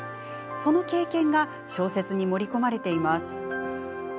その経験が小説に盛り込まれています。